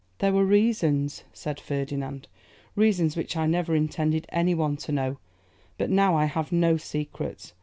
'There were reasons,' said Ferdinand, 'reasons which I never intended anyone to know; but now I have no secrets.